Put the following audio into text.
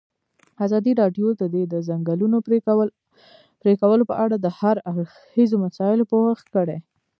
ازادي راډیو د د ځنګلونو پرېکول په اړه د هر اړخیزو مسایلو پوښښ کړی.